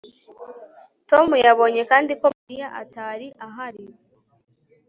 Tom yabonye kandi ko Mariya atari ahari